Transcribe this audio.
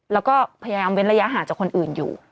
แล้วก็พยายามเว้นระยะห่างจากคนอื่นอยู่